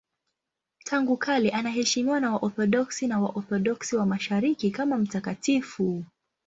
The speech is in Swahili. Tangu kale anaheshimiwa na Waorthodoksi na Waorthodoksi wa Mashariki kama mtakatifu.